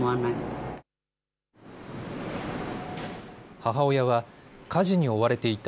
母親は、家事に追われていた。